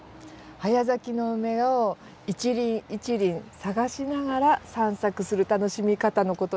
早咲きのウメを一輪一輪探しながら散策する楽しみ方のことです。